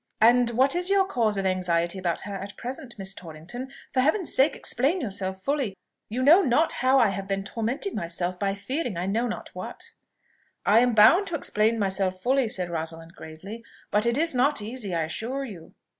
"And what is your cause of anxiety about her at present, Miss Torrington? For Heaven's sake explain yourself fully; you know not how I have been tormenting myself by fearing I know not what." "I am bound to explain myself fully," said Rosalind gravely; "but it is not easy, I assure you."